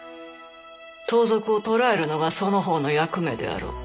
盗賊を捕らえるのがその方の役目であろう。